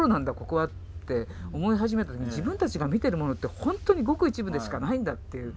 ここはって思い始めた時に自分たちが見てる物ってほんとにごく一部でしかないんだっていう。